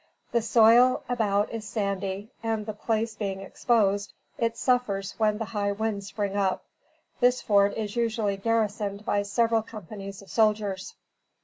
The soil about is sandy, and the place being exposed, it suffers when the high winds spring up. This fort is usually garrisoned by several companies of soldiers.